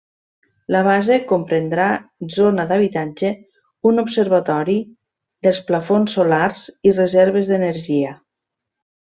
La base comprendrà zona d'habitatge, un observatori, dels plafons solars i reserves d'energia.